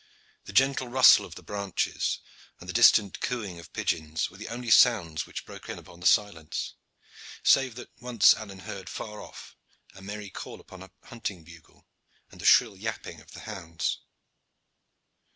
The gentle rustle of the branches and the distant cooing of pigeons were the only sounds which broke in upon the silence, save that once Alleyne heard afar off a merry call upon a hunting bugle and the shrill yapping of the hounds.